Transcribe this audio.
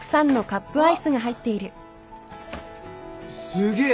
すげえ！